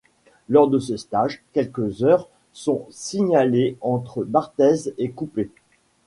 Lors de ce stage, quelques heurts sont à signaler entre Barthez et Coupet.